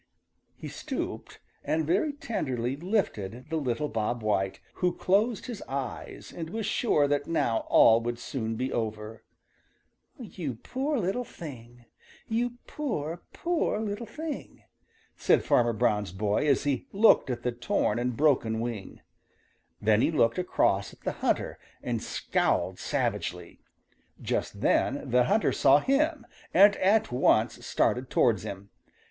He stooped and very tenderly lifted the little Bob White, who closed his eyes and was sure that now all would soon be over. "You poor little thing! You poor, poor little thing!" said Farmer Brown's boy as he looked at the torn and broken wing. Then he looked across at the hunter and scowled savagely. Just then the hunter saw him and at once started towards him.